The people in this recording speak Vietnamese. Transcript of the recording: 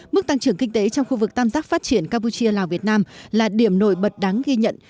mức tăng trưởng kinh tế trong khu vực tam giác phát triển campuchia lào việt nam là điểm nổi bật đáng ghi nhận